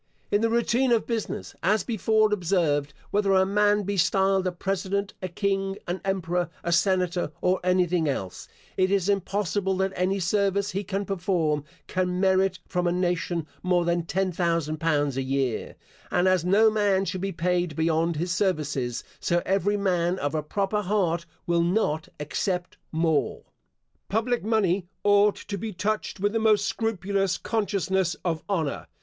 In the routine of business, as before observed, whether a man be styled a president, a king, an emperor, a senator, or anything else, it is impossible that any service he can perform, can merit from a nation more than ten thousand pounds a year; and as no man should be paid beyond his services, so every man of a proper heart will not accept more. Public money ought to be touched with the most scrupulous consciousness of honour.